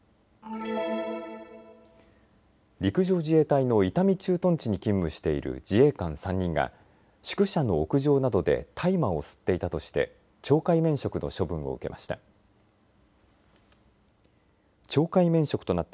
陸上自衛隊の伊丹駐屯地に勤務している自衛官３人が宿舎の屋上などで大麻を吸っていたとして懲戒免職の処分を受けました。